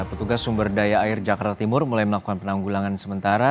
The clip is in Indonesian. petugas sumber daya air jakarta timur mulai melakukan penanggulangan sementara